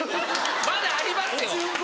まだありますよ